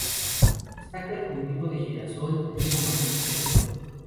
Destaca el cultivo de girasol, trigo, maíz y chopo.